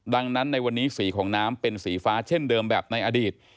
ดังนั้นในวันนี้สีของน้ำเป็นสีฟ้าเช่นเดิมแบบในอดีต